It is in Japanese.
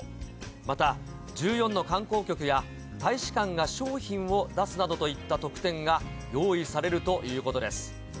また、１４の観光局や大使館が賞品を出すなどといった特典が用意されるということです。